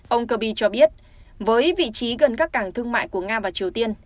ông kirby cho biết với vị trí gần các cảng thương mại của nga và triều tiên